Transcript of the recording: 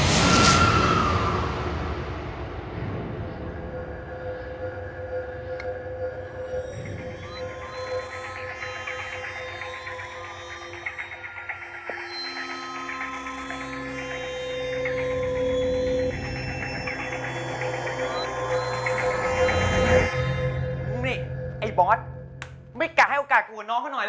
มึงไม่กลัวให้โอกาสกับกับน้องของน้องนะ